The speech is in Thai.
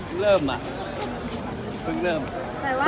พี่อยากการตัวเองเราเอาไป